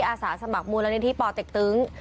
อาสาสมัครมูลในที่ปเจ็กตึ้ง